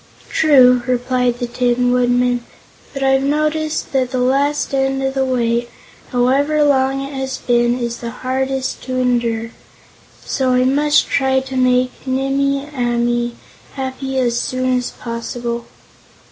"True," replied the Tin Woodman; "but I've noticed that the last end of a wait, however long it has been, is the hardest to endure; so I must try to make Nimmie Amee happy as soon as possible."